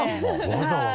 わざわざ？